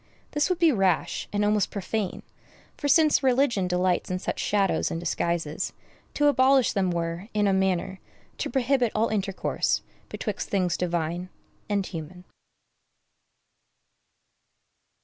This would be rash, and almost profane; for, since religion delights in such shadows and disguises, to abolish them were, in a manner, to prohibit all intercourse betwixt things divine and human.